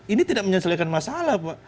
ini tidak menyesuaikan masalah